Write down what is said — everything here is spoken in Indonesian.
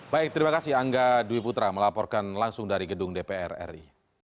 baik terima kasih angga dwi putra melaporkan langsung dari gedung dpr ri